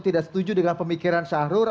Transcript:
tidak setuju dengan pemikiran syahrul